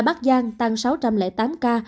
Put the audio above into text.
bắc giang tăng sáu trăm linh tám ca